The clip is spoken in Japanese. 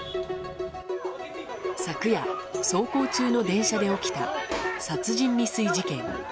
昨夜、走行中の電車で起きた殺人未遂事件。